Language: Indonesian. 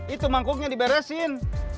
itu mangkuknya diberesin